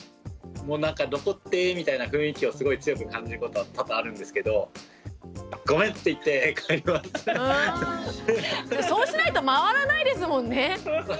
残ってみたいな雰囲気をすごい強く感じることは多々あるんですけどそうしないと回らないですもんね。